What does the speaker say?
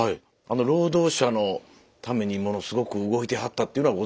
労働者のためにものすごく動いてはったっていうのはご存じでしたか。